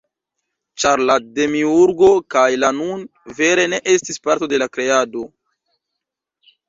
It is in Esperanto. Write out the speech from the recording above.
Ĉar la Demiurgo kaj la "Nun" vere ne estis parto de la Kreado.